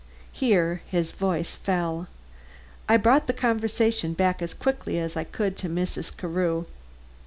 Here his voice fell. I brought the conversation back as quickly as I could to Mrs. Carew.